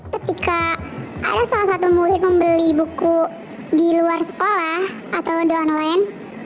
ketika ada salah satu murid membeli buku di luar sekolah atau di online